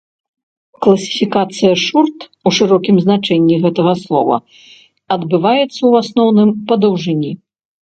Класіфікацыя шорт у шырокім значэнні гэтага слова адбываецца, у асноўным, па даўжыні.